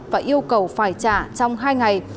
và yêu cầu phải trả trong hai ngày